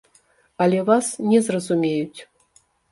Але вас не зразумеюць.